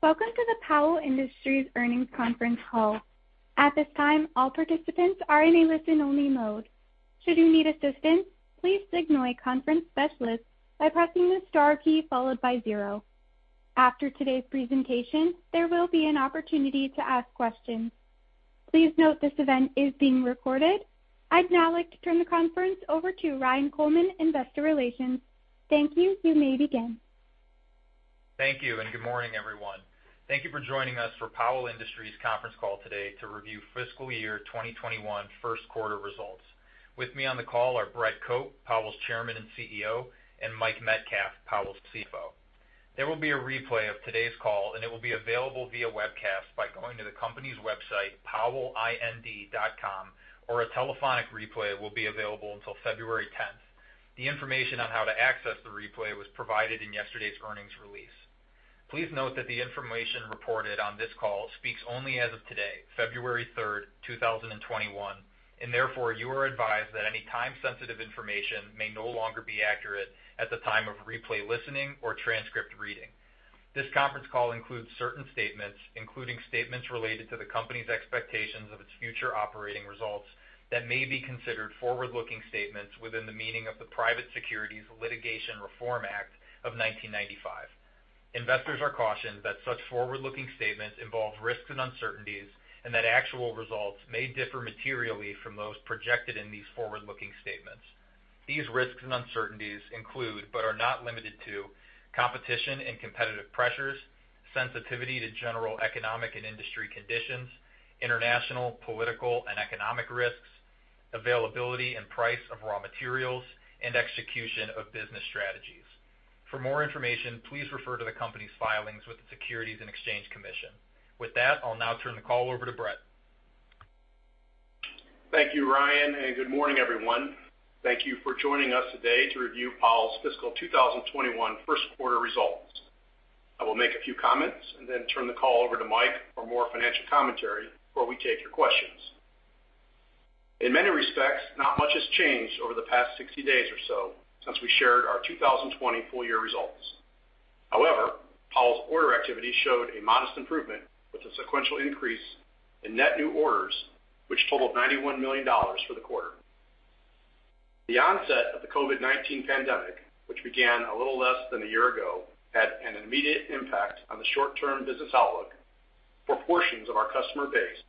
Welcome to the Powell Industries Earnings Conference Call. At this time, all participants are in a listen-only mode. Should you need assistance, please signal a conference specialist by pressing the star key followed by zero. After today's presentation, there will be an opportunity to ask questions. Please note this event is being recorded. I'd now like to turn the conference over to Ryan Coleman, Investor Relations. Thank you. You may begin. Thank you, and good morning, everyone. Thank you for joining us for Powell Industries Conference Call today to review Fiscal Year 2021 First Quarter Results. With me on the call are Brett Cope, Powell's Chairman and CEO, and Mike Metcalf, Powell's CFO. There will be a replay of today's call, and it will be available via webcast by going to the company's website, powellind.com, or a telephonic replay will be available until February 10th. The information on how to access the replay was provided in yesterday's earnings release. Please note that the information reported on this call speaks only as of today, February 3rd, 2021, and therefore you are advised that any time-sensitive information may no longer be accurate at the time of replay listening or transcript reading. This conference call includes certain statements, including statements related to the company's expectations of its future operating results that may be considered forward-looking statements within the meaning of the Private Securities Litigation Reform Act of 1995. Investors are cautioned that such forward-looking statements involve risks and uncertainties, and that actual results may differ materially from those projected in these forward-looking statements. These risks and uncertainties include, but are not limited to, competition and competitive pressures, sensitivity to general economic and industry conditions, international, political, and economic risks, availability and price of raw materials, and execution of business strategies. For more information, please refer to the company's filings with the Securities and Exchange Commission. With that, I'll now turn the call over to Brett. Thank you, Ryan, and good morning, everyone. Thank you for joining us today to review Powell's Fiscal 2021 First Quarter Results. I will make a few comments and then turn the call over to Mike for more financial commentary before we take your questions. In many respects, not much has changed over the past 60 days or so since we shared our 2020 full-year results. However, Powell's order activity showed a modest improvement with a sequential increase in net new orders, which totaled $91 million for the quarter. The onset of the COVID-19 pandemic, which began a little less than a year ago, had an immediate impact on the short-term business outlook for portions of our customer base,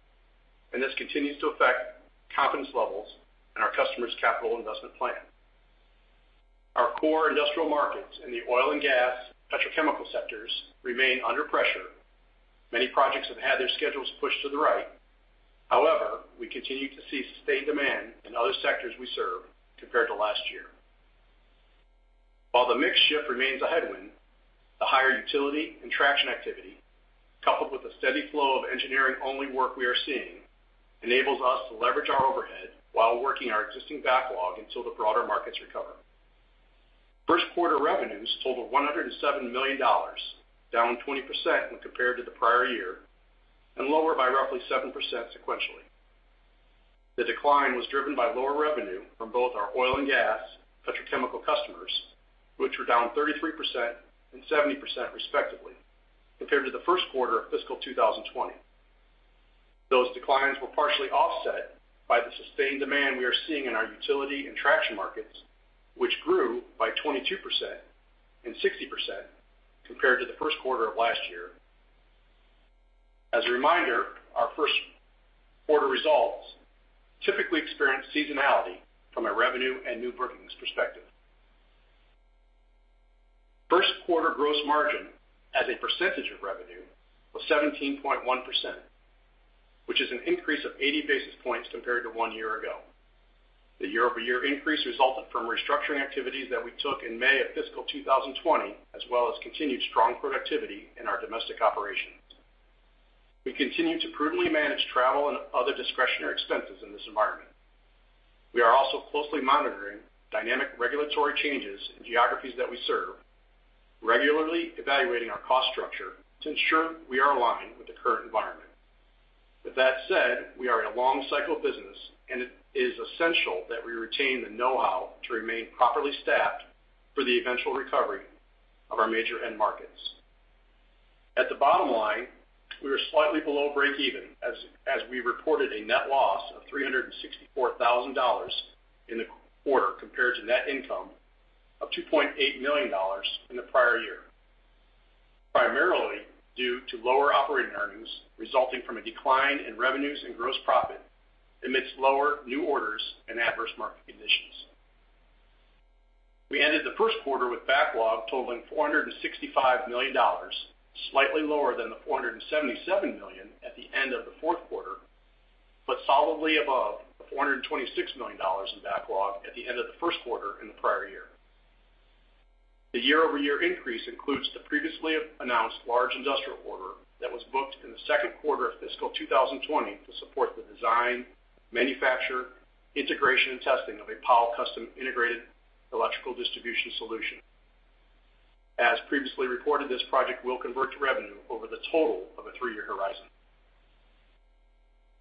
and this continues to affect confidence levels and our customers' capital investment plan. Our core industrial markets in the oil and gas, petrochemical sectors remain under pressure. Many projects have had their schedules pushed to the right. However, we continue to see sustained demand in other sectors we serve compared to last year. While the mix shift remains a headwind, the higher utility and traction activity, coupled with the steady flow of engineering-only work we are seeing, enables us to leverage our overhead while working our existing backlog until the broader markets recover. First quarter revenues totaled $107 million, down 20% when compared to the prior year, and lower by roughly 7% sequentially. The decline was driven by lower revenue from both our oil and gas, petrochemical customers, which were down 33% and 70% respectively, compared to the first quarter of fiscal 2020. Those declines were partially offset by the sustained demand we are seeing in our utility and traction markets, which grew by 22% and 60% compared to the first quarter of last year. As a reminder, our first quarter results typically experience seasonality from a revenue and new bookings perspective. First quarter gross margin as a percentage of revenue was 17.1%, which is an increase of 80 basis points compared to one year ago. The year-over-year increase resulted from restructuring activities that we took in May of fiscal 2020, as well as continued strong productivity in our domestic operations. We continue to prudently manage travel and other discretionary expenses in this environment. We are also closely monitoring dynamic regulatory changes in geographies that we serve, regularly evaluating our cost structure to ensure we are aligned with the current environment. With that said, we are a long-cycle business, and it is essential that we retain the know-how to remain properly staffed for the eventual recovery of our major end markets. At the bottom line, we were slightly below break-even as we reported a net loss of $364,000 in the quarter compared to net income of $2.8 million in the prior year, primarily due to lower operating earnings resulting from a decline in revenues and gross profit amidst lower new orders and adverse market conditions. We ended the first quarter with backlog totaling $465 million, slightly lower than the $477 million at the end of the fourth quarter, but solidly above the $426 million in backlog at the end of the first quarter in the prior year. The year-over-year increase includes the previously announced large industrial order that was booked in the second quarter of fiscal 2020 to support the design, manufacture, integration, and testing of a Powell custom integrated electrical distribution solution. As previously reported, this project will convert to revenue over the total of a three-year horizon.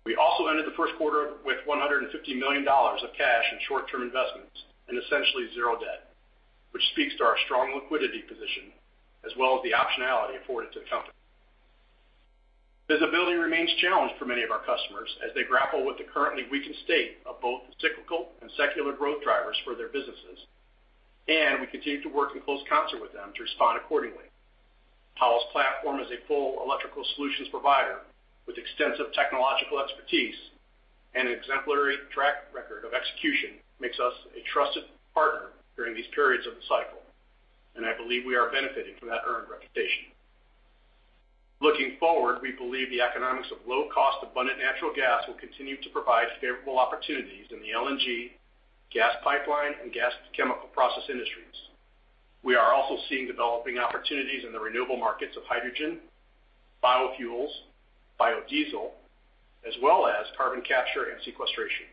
We also ended the first quarter with $150 million of cash and short-term investments and essentially zero debt, which speaks to our strong liquidity position as well as the optionality afforded to the company. Visibility remains challenged for many of our customers as they grapple with the currently weakened state of both the cyclical and secular growth drivers for their businesses, and we continue to work in close concert with them to respond accordingly. Powell's platform as a full electrical solutions provider with extensive technological expertise and an exemplary track record of execution makes us a trusted partner during these periods of the cycle, and I believe we are benefiting from that earned reputation. Looking forward, we believe the economics of low-cost, abundant natural gas will continue to provide favorable opportunities in the LNG, gas pipeline, and gas chemical process industries. We are also seeing developing opportunities in the renewable markets of hydrogen, biofuels, biodiesel, as well as carbon capture and sequestration.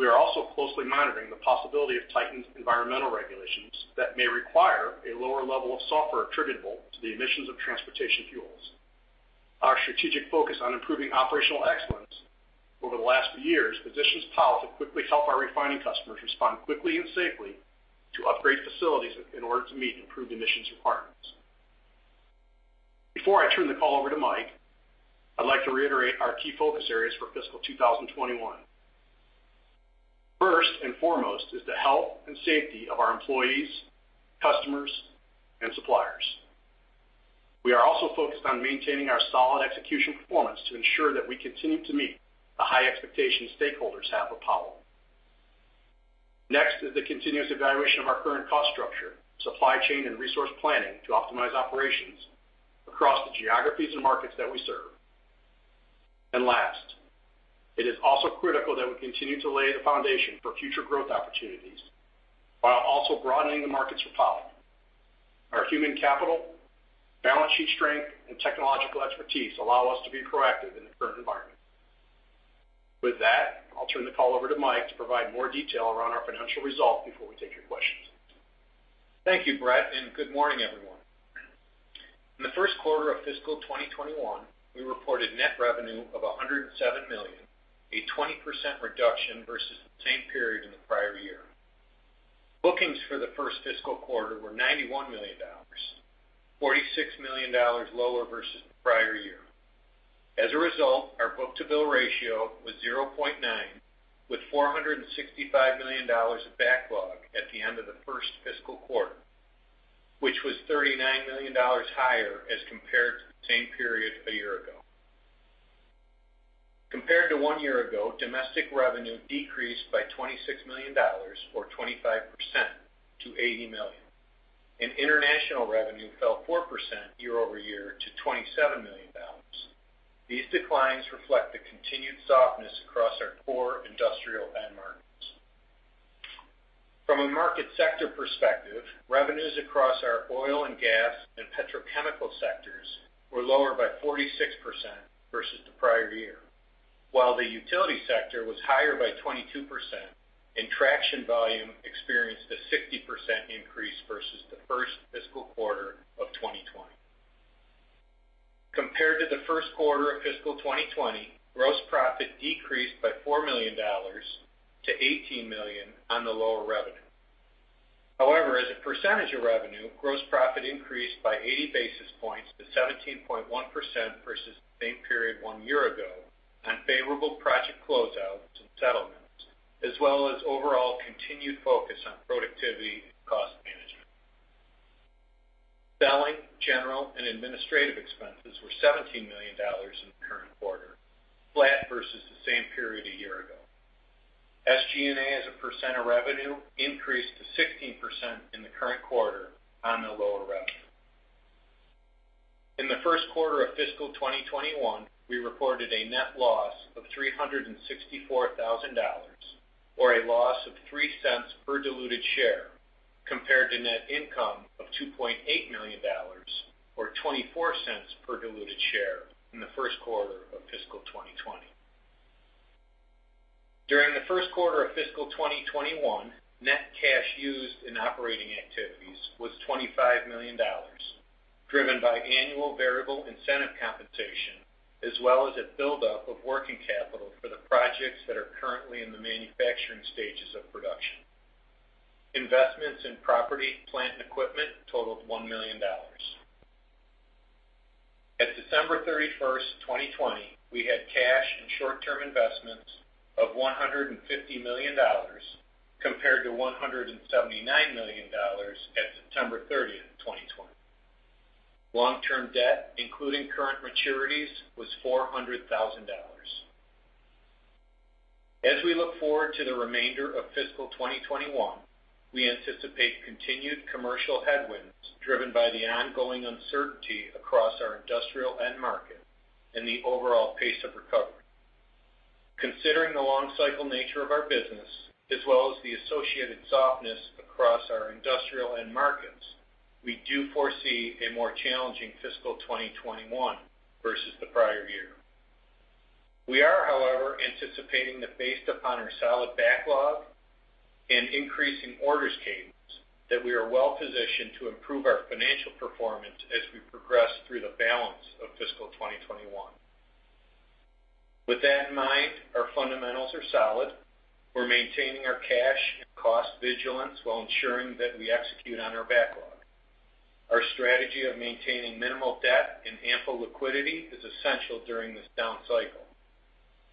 We are also closely monitoring the possibility of tightened environmental regulations that may require a lower level of sulfur attributable to the emissions of transportation fuels. Our strategic focus on improving operational excellence over the last few years positions Powell to quickly help our refining customers respond quickly and safely to upgrade facilities in order to meet improved emissions requirements. Before I turn the call over to Mike, I'd like to reiterate our key focus areas for fiscal 2021. First and foremost is the health and safety of our employees, customers, and suppliers. We are also focused on maintaining our solid execution performance to ensure that we continue to meet the high expectations stakeholders have of Powell. Next is the continuous evaluation of our current cost structure, supply chain, and resource planning to optimize operations across the geographies and markets that we serve. And last, it is also critical that we continue to lay the foundation for future growth opportunities while also broadening the markets for Powell. Our human capital, balance sheet strength, and technological expertise allow us to be proactive in the current environment. With that, I'll turn the call over to Mike to provide more detail around our financial results before we take your questions. Thank you, Brett, and good morning, everyone. In the first quarter of fiscal 2021, we reported net revenue of $107 million, a 20% reduction versus the same period in the prior year. Bookings for the first fiscal quarter were $91 million, $46 million lower versus the prior year. As a result, our book-to-bill ratio was 0.9, with $465 million of backlog at the end of the first fiscal quarter, which was $39 million higher as compared to the same period a year ago. Compared to one year ago, domestic revenue decreased by $26 million, or 25%, to $80 million. And international revenue fell 4% year-over-year to $27 million. These declines reflect the continued softness across our core industrial and markets. From a market sector perspective, revenues across our oil and gas and petrochemical sectors were lower by 46% versus the prior year, while the utility sector was higher by 22%, and traction volume experienced a 60% increase versus the first fiscal quarter of 2020. Compared to the first quarter of fiscal 2020, gross profit decreased by $4 million to $18 million on the lower revenue. However, as a percentage of revenue, gross profit increased by 80 basis points to 17.1% versus the same period one year ago on favorable project closeouts and settlements, as well as overall continued focus on productivity and cost management. Selling, general, and administrative expenses were $17 million in the current quarter, flat versus the same period a year ago. SG&A as a percent of revenue increased to 16% in the current quarter on the lower revenue. In the first quarter of fiscal 2021, we reported a net loss of $364,000, or a loss of $0.03 per diluted share, compared to net income of $2.8 million, or $0.24 per diluted share in the first quarter of fiscal 2020. During the first quarter of fiscal 2021, net cash used in operating activities was $25 million, driven by annual variable incentive compensation, as well as a buildup of working capital for the projects that are currently in the manufacturing stages of production. Investments in property, plant, and equipment totaled $1 million. At December 31st, 2020, we had cash and short-term investments of $150 million, compared to $179 million at September 30th, 2020. Long-term debt, including current maturities, was $400,000. As we look forward to the remainder of fiscal 2021, we anticipate continued commercial headwinds driven by the ongoing uncertainty across our industrial end market and the overall pace of recovery. Considering the long-cycle nature of our business, as well as the associated softness across our industrial end markets, we do foresee a more challenging fiscal 2021 versus the prior year. We are, however, anticipating that based upon our solid backlog and increasing orders cadence, that we are well-positioned to improve our financial performance as we progress through the balance of fiscal 2021. With that in mind, our fundamentals are solid. We're maintaining our cash and cost vigilance while ensuring that we execute on our backlog. Our strategy of maintaining minimal debt and ample liquidity is essential during this down cycle,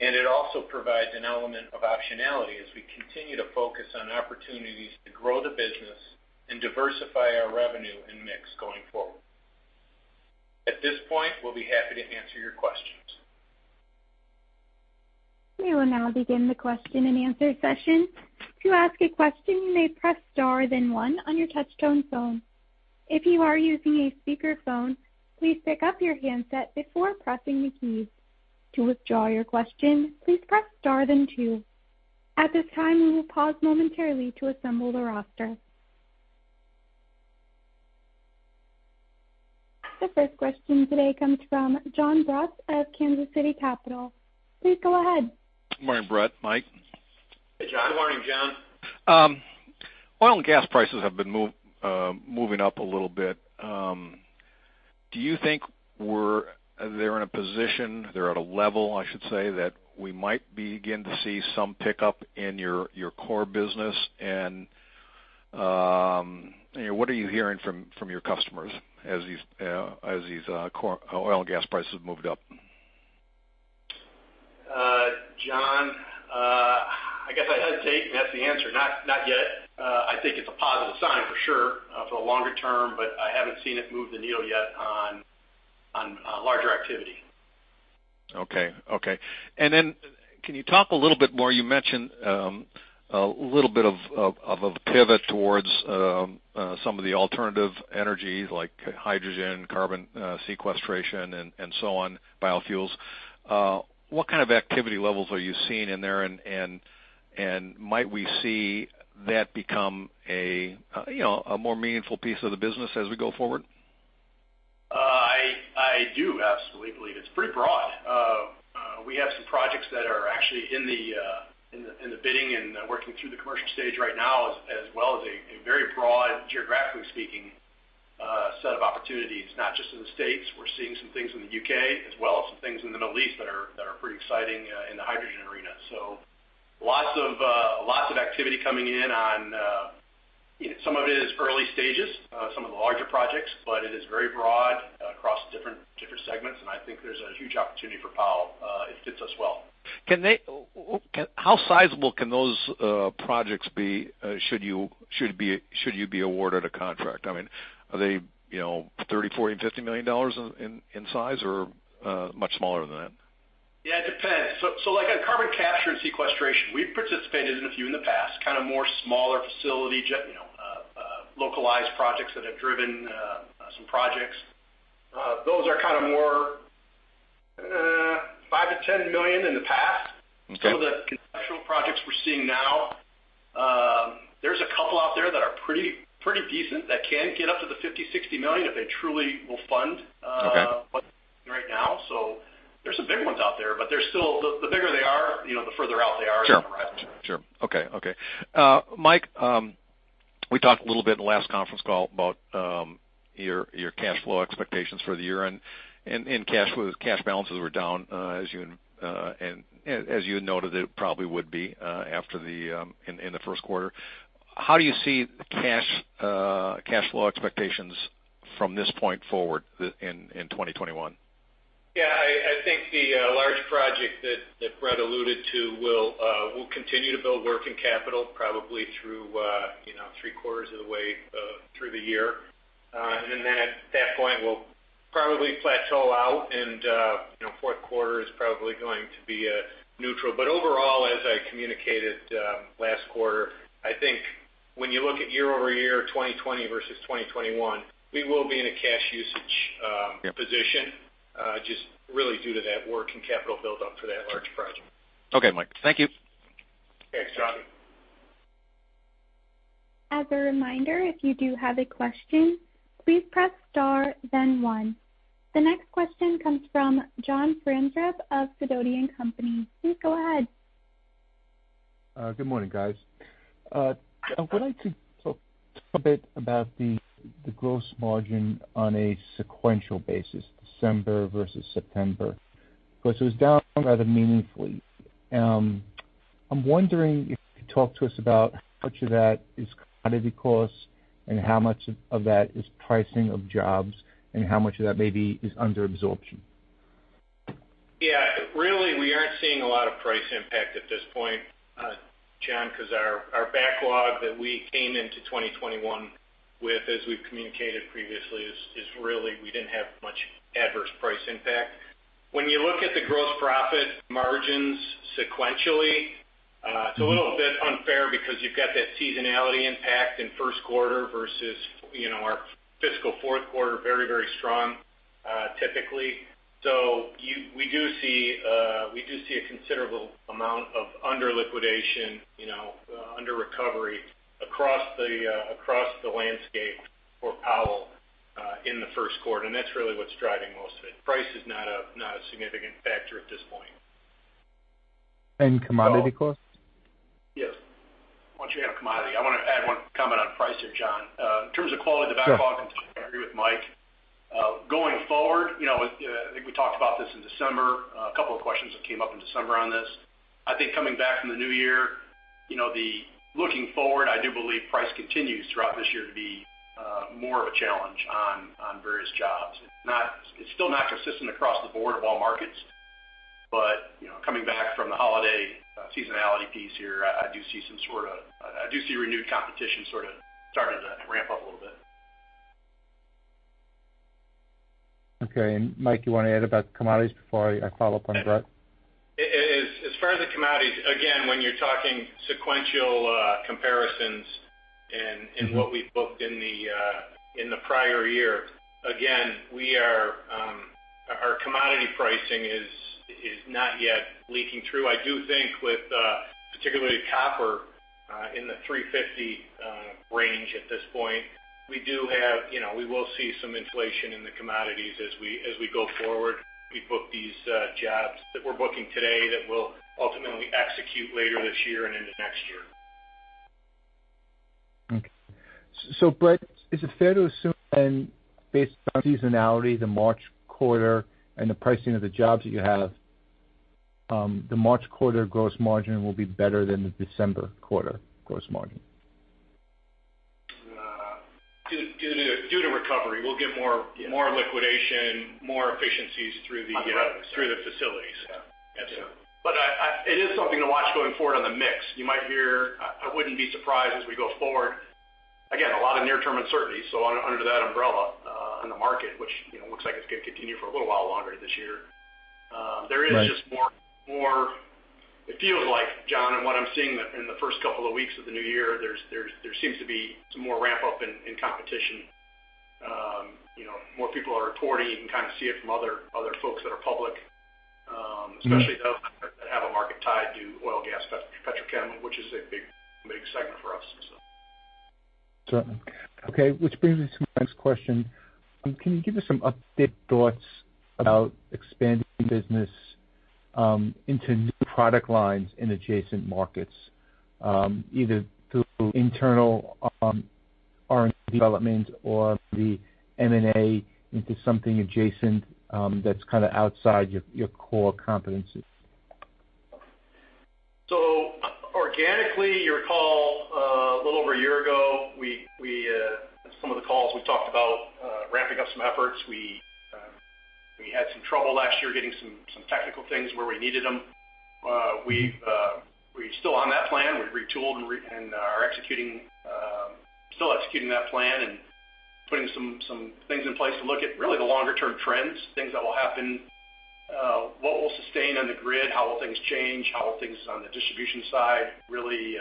and it also provides an element of optionality as we continue to focus on opportunities to grow the business and diversify our revenue and mix going forward. At this point, we'll be happy to answer your questions. We will now begin the question and answer session. To ask a question, you may press star then one on your touch-tone phone. If you are using a speakerphone, please pick up your handset before pressing the keys. To withdraw your question, please press star then two. At this time, we will pause momentarily to assemble the roster. The first question today comes from Jon Braatz of Kansas City Capital. Please go ahead. Good morning, Brett. Mike. Hey, Jon. Good morning, Jon. Oil and gas prices have been moving up a little bit. Do you think we're there in a position, there at a level, I should say, that we might begin to see some pickup in your core business? And what are you hearing from your customers as these oil and gas prices have moved up? Jon, I guess I hesitate and that's the answer. Not yet. I think it's a positive sign for sure for the longer term, but I haven't seen it move the needle yet on larger activity. And then can you talk a little bit more? You mentioned a little bit of a pivot towards some of the alternative energies like hydrogen, carbon sequestration, and so on, biofuels. What kind of activity levels are you seeing in there, and might we see that become a more meaningful piece of the business as we go forward? I do absolutely believe it's pretty broad. We have some projects that are actually in the bidding and working through the commercial stage right now, as well as a very broad, geographically speaking, set of opportunities, not just in the States. We're seeing some things in the U.K., as well as some things in the Middle East that are pretty exciting in the hydrogen arena. So lots of activity coming in on some of it is early stages, some of the larger projects, but it is very broad across different segments, and I think there's a huge opportunity for Powell. It fits us well. How sizable can those projects be should you be awarded a contract? I mean, are they $30 million, $40 million, and $50 million in size, or much smaller than that? Yeah, it depends. So like carbon capture and sequestration, we've participated in a few in the past, kind of more smaller facility, localized projects that have driven some projects. Those are kind of more $5-$10 million in the past. Some of the conceptual projects we're seeing now, there's a couple out there that are pretty decent that can get up to the $50-$60 million if they truly will fund right now. So there's some big ones out there, but they're still the bigger they are, the further out they are in the horizon. Sure. Sure. Okay. Okay. Mike, we talked a little bit in the last conference call about your cash flow expectations for the year, and cash balances were down, as you had noted that it probably would be in the first quarter. How do you see cash flow expectations from this point forward in 2021? Yeah. I think the large project that Brett alluded to will continue to build working capital, probably through three quarters of the way through the year, and then at that point, we'll probably plateau out, and fourth quarter is probably going to be neutral, but overall, as I communicated last quarter, I think when you look at year over year, 2020 versus 2021, we will be in a cash usage position just really due to that working capital buildup for that large project. Okay, Mike. Thank you. Thanks, Jon. As a reminder, if you do have a question, please press star then one. The next question comes from John Franzreb of Sidoti & Company. Please go ahead. Good morning, guys. I would like to talk a bit about the gross margin on a sequential basis, December versus September. Of course, it was down rather meaningfully. I'm wondering if you could talk to us about how much of that is commodity costs and how much of that is pricing of jobs and how much of that maybe is under absorption? Yeah. Really, we aren't seeing a lot of price impact at this point, John, because our backlog that we came into 2021 with, as we've communicated previously, is really we didn't have much adverse price impact. When you look at the gross profit margins sequentially, it's a little bit unfair because you've got that seasonality impact in first quarter versus our fiscal fourth quarter, very, very strong typically. So we do see a considerable amount of under liquidation, under recovery across the landscape for Powell in the first quarter, and that's really what's driving most of it. Price is not a significant factor at this point. Commodity costs? Yes. Once you have commodity, I want to add one comment on price here, John. In terms of quality of the backlog, I agree with Mike. Going forward, I think we talked about this in December, a couple of questions that came up in December on this. I think coming back from the new year, looking forward, I do believe price continues throughout this year to be more of a challenge on various jobs. It's still not consistent across the board of all markets, but coming back from the holiday seasonality piece here, I do see some sort of renewed competition sort of starting to ramp up a little bit. Okay. And Mike, you want to add about commodities before I follow up on Brett? As far as the commodities, again, when you're talking sequential comparisons in what we booked in the prior year, again, our commodity pricing is not yet leaking through. I do think with particularly copper in the 350 range at this point, we will see some inflation in the commodities as we go forward. We book these jobs that we're booking today that we'll ultimately execute later this year and into next year. Okay, so Brett, is it fair to assume then based on seasonality, the March quarter, and the pricing of the jobs that you have, the March quarter gross margin will be better than the December quarter gross margin? Due to recovery. We'll get more liquidity, more efficiencies through the facilities. But it is something to watch going forward on the mix. You might hear. I wouldn't be surprised as we go forward. Again, a lot of near-term uncertainty. So under that umbrella on the market, which looks like it's going to continue for a little while longer this year, there is just more. It feels like, John, and what I'm seeing in the first couple of weeks of the new year, there seems to be some more ramp-up in competition. More people are reporting. You can kind of see it from other folks that are public, especially those that have a market tied to oil and gas, petrochemical, which is a big segment for us. Certainly. Okay. Which brings me to my next question. Can you give us some updated thoughts about expanding business into new product lines in adjacent markets, either through internal R&D development or the M&A into something adjacent that's kind of outside your core competency? So, organically, on your call a little over a year ago, some of the calls we talked about ramping up some efforts. We had some trouble last year getting some technical things where we needed them. We're still on that plan. We've retooled and are still executing that plan and putting some things in place to look at really the longer-term trends, things that will happen, what will sustain on the grid, how will things change, how will things on the distribution side really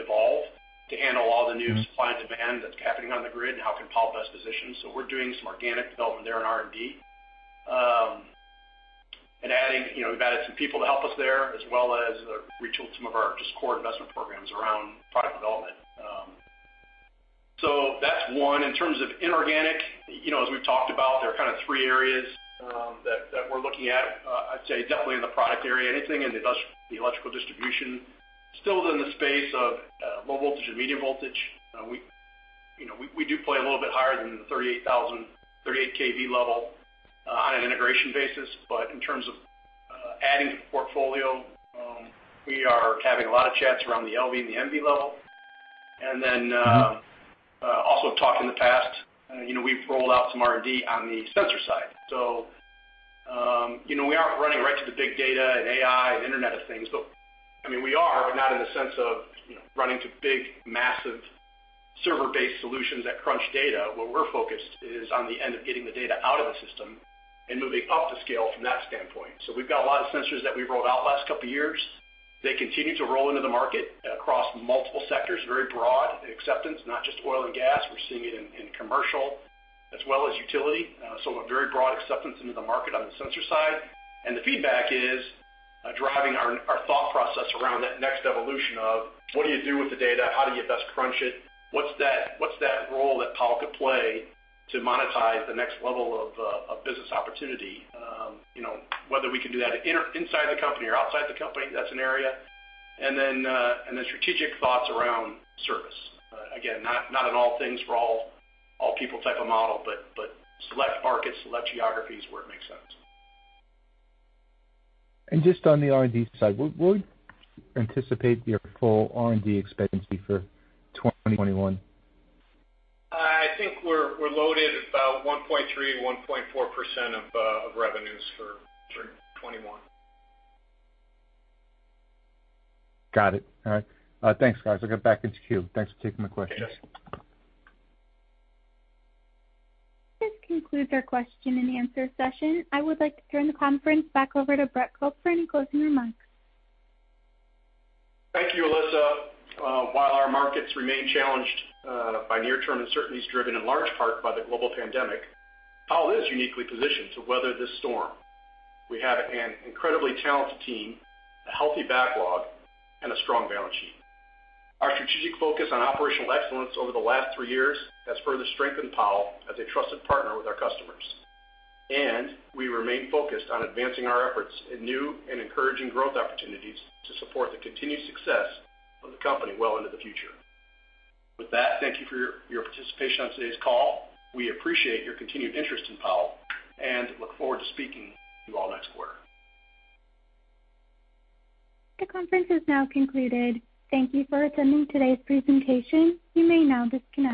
evolve to handle all the new supply and demand that's happening on the grid, and how can Powell best position. So we're doing some organic development there in R&D and we've added some people to help us there, as well as retooled some of our just core investment programs around product development. So that's one. In terms of inorganic, as we've talked about, there are kind of three areas that we're looking at. I'd say definitely in the product area, anything in the electrical distribution, still in the space of low voltage and medium voltage. We do play a little bit higher than the 38,000, 38 kV level on an integration basis. But in terms of adding to the portfolio, we are having a lot of chats around the LV and the MV level. And then also talked in the past, we've rolled out some R&D on the sensor side. So we aren't running right to the big data and AI and Internet of Things. But I mean, we are, but not in the sense of running to big, massive server-based solutions that crunch data. What we're focused is on the end of getting the data out of the system and moving up the scale from that standpoint. So we've got a lot of sensors that we rolled out last couple of years. They continue to roll into the market across multiple sectors, very broad acceptance, not just oil and gas. We're seeing it in commercial as well as utility. So a very broad acceptance into the market on the sensor side. And the feedback is driving our thought process around that next evolution of what do you do with the data? How do you best crunch it? What's that role that Powell could play to monetize the next level of business opportunity? Whether we can do that inside the company or outside the company, that's an area. And then strategic thoughts around service. Again, not an all things for all people type of model, but select markets, select geographies where it makes sense. Just on the R&D side, what would you anticipate your full R&D expenditure for 2021? I think we're loaded at about 1.3-1.4% of revenues for 2021. Got it. All right. Thanks, guys. I'll get back into queue. Thanks for taking my questions. Yes. This concludes our question and answer session. I would like to turn the conference back over to Brett Cope for any closing remarks. Thank you, Alyssa. While our markets remain challenged by near-term uncertainties driven in large part by the global pandemic, Powell is uniquely positioned to weather this storm. We have an incredibly talented team, a healthy backlog, and a strong balance sheet. Our strategic focus on operational excellence over the last three years has further strengthened Powell as a trusted partner with our customers. And we remain focused on advancing our efforts in new and encouraging growth opportunities to support the continued success of the company well into the future. With that, thank you for your participation on today's call. We appreciate your continued interest in Powell and look forward to speaking with you all next quarter. The conference is now concluded. Thank you for attending today's presentation. You may now disconnect.